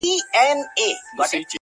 تر هر بیته مي راځې بیرته پناه سې-